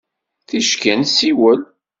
Ticki ad nessiwel.